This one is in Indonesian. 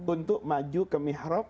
untuk maju ke mihrab